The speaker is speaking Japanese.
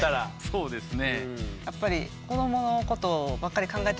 そうですね。